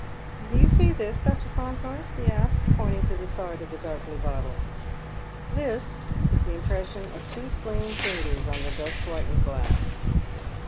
" Do you see this, Dr. Faunthorpe ?" he asks, pointing to tlie side of the dark blue bottle. " This " is the impression of two slim fingers on the dust whitened glass.